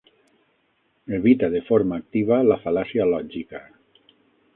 Evita de forma activa la fal·làcia lògica.